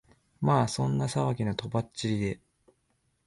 まあそんな騒ぎの飛ばっちりで、